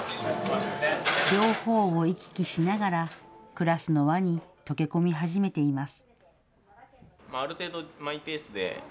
両方を行き来しながらクラスの輪に溶け込み始めています。